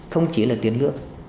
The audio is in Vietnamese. không chỉ là tiền lượng